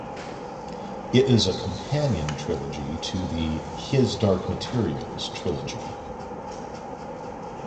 It is a companion trilogy to the "His Dark Materials" trilogy.